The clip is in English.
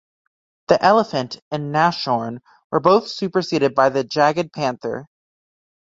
The "Elefant" and "Nashorn" were both superseded by the "Jagdpanther".